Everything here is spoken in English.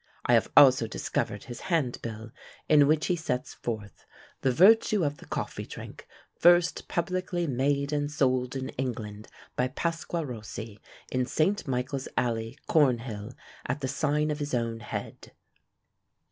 I have also discovered his hand bill, in which he sets forth, "The vertue of the coffee drink, first publiquely made and sold in England, by Pasqua Rosee, in St. Michael's Alley, Cornhill, at the sign of his own head."